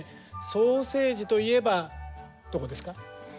ソーセージといえばどこですか？